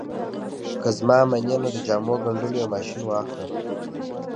که زما منې نو د جامو ګنډلو یو ماشين واخله